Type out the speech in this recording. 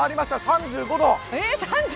３５度。